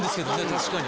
確かに。